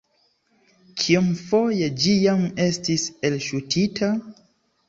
Kiomfoje ĝi jam estis elŝutita?